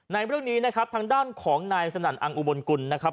ในเรื่องนี้นะครับทางด้านของนายสนั่นอังอุบลกุลนะครับ